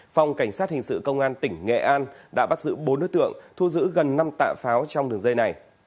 phòng cảnh sát hình sự công an tỉnh nghệ an đã bắt giữ bốn đối tượng thu giữ gần năm tạ pháo trong đường dây này